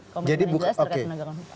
komitmen yang jelas terkait tenaga kan hukum